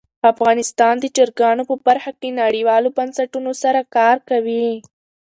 افغانستان د چرګانو په برخه کې نړیوالو بنسټونو سره کار کوي.